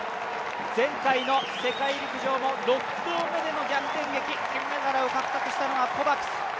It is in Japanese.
前回の世界陸上も６投目での逆転劇、金メダルを獲得したのはコバクス。